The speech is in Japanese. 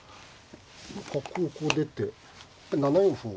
角をこう出て７四歩を。